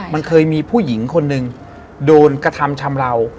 มันเคยมีผู้หญิงคนหนึ่งโดนกระทำชำราว